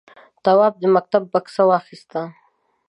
تواب د مکتب بکسه واخیسته.